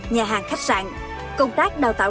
nhà hàng khách sạn công tác đào tạo